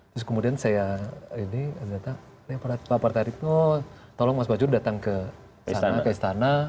terus kemudian saya ini azad atta pak pratik tolong mas fajro datang ke istana